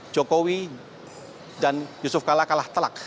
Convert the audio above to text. jokowi dan yusuf kala kalah telak